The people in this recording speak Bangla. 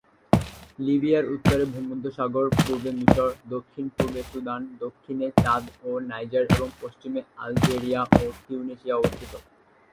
লিবিয়ার উত্তরে ভূমধ্যসাগর, পূর্বে মিশর, দক্ষিণ-পূর্বে সুদান, দক্ষিণে চাদ ও নাইজার, এবং পশ্চিমে আলজেরিয়া ও তিউনিসিয়া অবস্থিত।